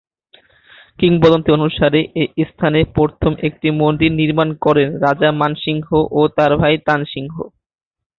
কিংবদন্তি অনুসারে, এই স্থানে প্রথমে একটি মন্দির নির্মাণ করেন রাজা মানসিংহ ও তার ভাই তানসিংহ।